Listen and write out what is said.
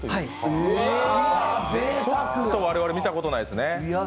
ちょっと我々見たことないですね。